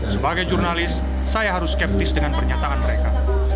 sebagai jurnalis saya harus skeptis dengan pernyataan mereka